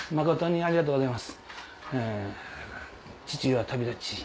ありがとうございます。